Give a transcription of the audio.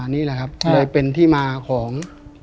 นี่แหละครับเลยเป็นที่มาของ